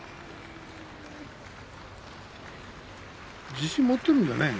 自信持っているんだね。